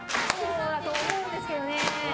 そうだと思うんですけどね。